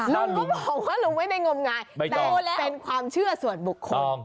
ลุงก็บอกว่าลุงไม่ได้งมงายแต่เป็นความเชื่อส่วนบุคคล